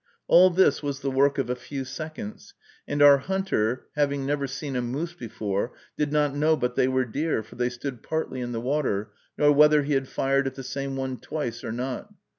All this was the work of a few seconds, and our hunter, having never seen a moose before, did not know but they were deer, for they stood partly in the water, nor whether he had fired at the same one twice or not.